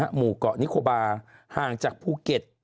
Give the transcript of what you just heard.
หมู่เกาะนิโคบาห่างจากภูเก็ต